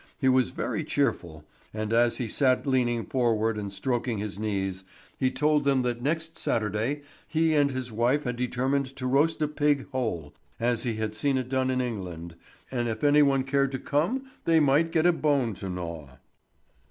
He was very cheerful, and as he sat leaning forward and stroking his knees, he told them that next Saturday he and his wife had determined to roast a pig whole, as he had seen it done in England, and if any one cared to come they might get a bone to gnaw.